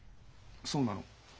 そうなの？